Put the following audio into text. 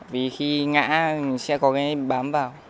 vì khi ngã sẽ có cái bám vào